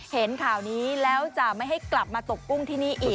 เห็นข่าวนี้แล้วจะไม่ให้กลับมาตกกุ้งที่นี่อีก